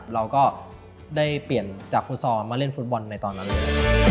เราก็ได้เปลี่ยนจากฟุตซอลมาเล่นฟุตบอลในตอนนั้นเลย